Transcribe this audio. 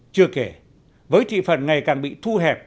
chưa kể với thị phần ngày càng bị thu hẹp